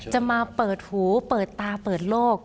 จะมาเปิดหูเปิดตาเปิดโลก